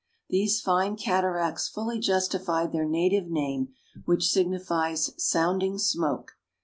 These fine cataracts fully justified their native name, which signifies " sounding smoke."